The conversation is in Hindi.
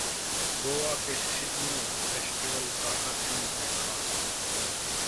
गोवा के ‘शिग्मो’ फेस्टिवल का हर रंग है खास